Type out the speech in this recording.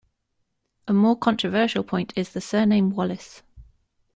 A more controversial point is the surname Wallace.